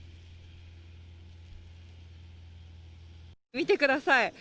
見てください。